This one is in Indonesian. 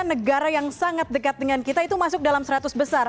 negara yang sangat dekat dengan kita itu masuk dalam seratus besar